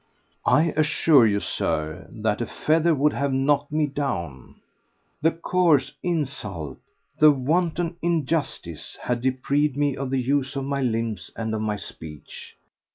I assure you, Sir, that a feather would have knocked me down. The coarse insult, the wanton injustice, had deprived me of the use of my limbs and of my speech.